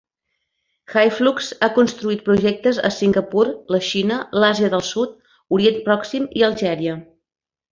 Hyflux ha construït projectes a Singapur, la Xina, l'Àsia del Sud, Orient Pròxim i Algèria.